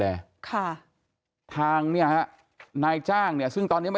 แข็งแข็งแข็งแข็งแข็งแข็งแข็งแข็ง